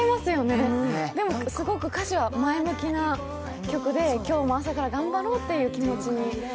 すごく歌詞は前向きな曲で、今日も朝から頑張ろうという気持ちに。